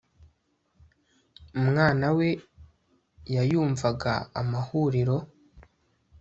umwana we, yayumvaga amahuriro